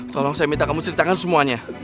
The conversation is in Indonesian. tolong saya minta kamu ceritakan semuanya